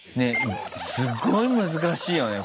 すごい難しいよね